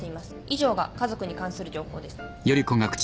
以上が家族に関する情報です。